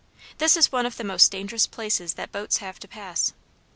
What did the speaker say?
This is one of the most dangerous places that boats have to pass.